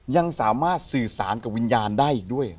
ยังสามารถสื่อสารกับวิญญาณได้อีกด้วย